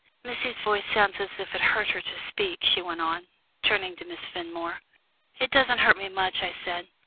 Missie's voice sounds as if it hurt her to speak," she went on, turning to Miss Fenmore. "It doesn't hurt me much," I said.